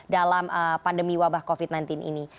dalam pandemi wabah covid sembilan belas ini